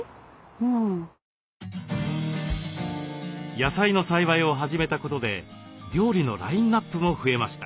野菜の栽培を始めたことで料理のラインナップも増えました。